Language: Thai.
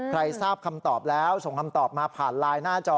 ใครทราบคำตอบแล้วส่งคำตอบมาผ่านไลน์หน้าจอ